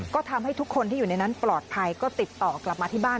ก็ทำให้ทุกคนที่อยู่ในนั้นปลอดภัยก็ติดต่อกลับมาที่บ้าน